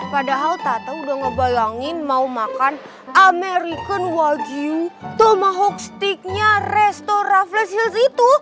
padahal tata udah ngebalangin mau makan american wagyu tomahawk steak nya restora flash heals itu